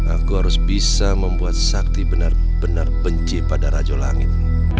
aku harus bisa membuat sakti benar benar benci pada rajo langit